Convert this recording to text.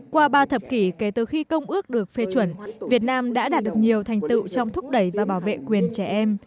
qua ba thập kỷ kể từ khi công ước được phê chuẩn việt nam đã đạt được nhiều thành tựu trong thúc đẩy và bảo vệ quyền trẻ em